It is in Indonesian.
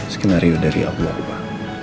skenario dari allah pak